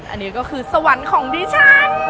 อันนี้ก็คือสวรรค์ของดิฉัน